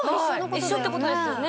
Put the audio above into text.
一緒ってことですよね